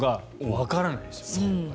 わからないですよ